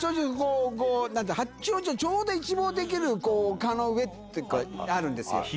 八王子をちょうど一望できる丘の上があるんですよ。